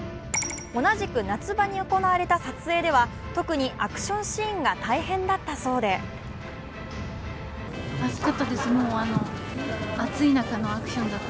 同じく夏場に行われた撮影では、特にアクションシーンが大変だったそうで一方